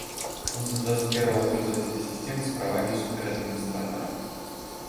Он создаст первого пользователя системы с правами супер-администратора